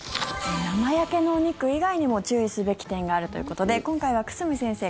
生焼けのお肉以外にも注意すべき点があるということで今回は久住先生